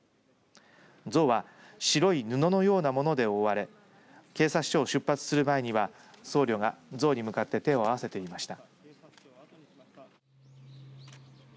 像は白い布のようなもので覆われ警察署を出発する前には僧侶が像に向かって手を合わせていました。